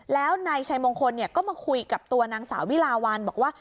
แล้วนายชัยมงคลก็มาคุยกับตัวนางสาววิลาวันบอกว่า